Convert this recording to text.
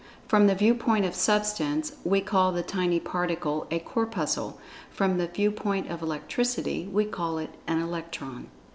From the viewpoint of Substance we call the tiny particle a "Corpuscle"—from the viewpoint of Electricity, we call it an "Electron."